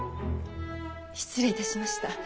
失礼いたしました。